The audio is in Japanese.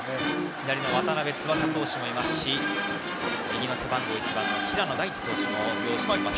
左の渡邉翼投手もいますし右の背番号１番平野大地投手も擁しています。